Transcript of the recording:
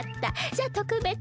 じゃあとくべつに。